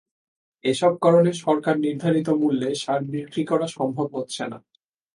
এসব কারণে সরকার নির্ধারিত মূল্যে সার বিক্রি করা সম্ভব হচ্ছে না।